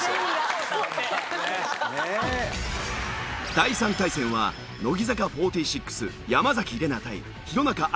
第３対戦は乃木坂４６山崎怜奈対弘中綾香アナ。